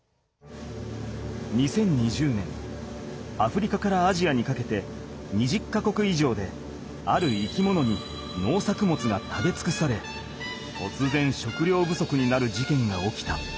２０２０年アフリカからアジアにかけて２０か国いじょうである生き物に農作物が食べつくされとつぜん食料不足になるじけんが起きた。